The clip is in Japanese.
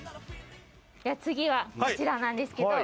次は、こちらなんですけど。